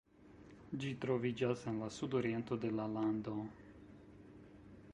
Ĝi troviĝas en la sudoriento de la lando.